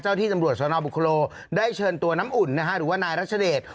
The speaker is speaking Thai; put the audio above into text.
ที่ตำรวจสนบุคโลได้เชิญตัวน้ำอุ่นนะฮะหรือว่านายรัชเดช